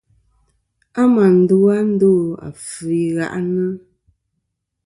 A mà ndu a ndo afvɨ i ghaʼnɨ.